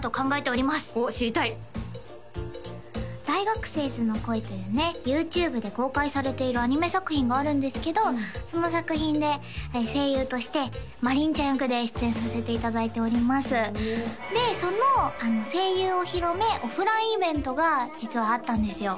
おっ知りたい「大学生ズの恋。」というねＹｏｕＴｕｂｅで公開されているアニメ作品があるんですけどその作品で声優として真凜ちゃん役で出演させていただいておりますでその声優お披露目オフラインイベントが実はあったんですよ